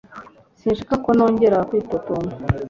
Sinshaka ko nongera kwitotomba